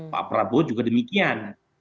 pak prabowo juga demikian